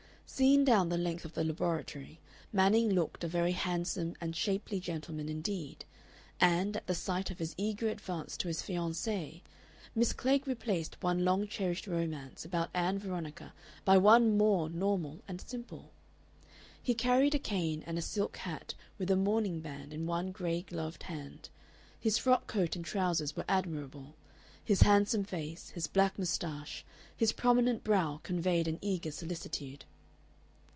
Seen down the length of the laboratory, Manning looked a very handsome and shapely gentleman indeed, and, at the sight of his eager advance to his fiancee, Miss Klegg replaced one long cherished romance about Ann Veronica by one more normal and simple. He carried a cane and a silk hat with a mourning band in one gray gloved hand; his frock coat and trousers were admirable; his handsome face, his black mustache, his prominent brow conveyed an eager solicitude.